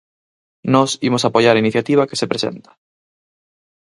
Nós imos apoiar a iniciativa que se presenta.